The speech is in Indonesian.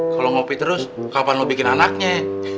kalau ngopi terus kapan mau bikin anaknya